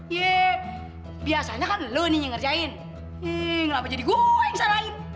yee biasanya kan lo nih yang ngerjain ngelapa jadi gue yang salahin